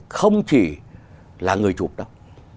không chỉ là người chụp đâu